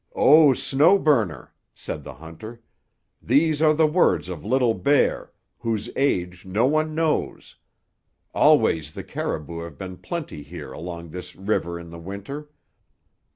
"Oh, Snow Burner," said the hunter, "these are the words of Little Bear, whose age no one knows. Always the caribou have been plenty here along this river in the Winter.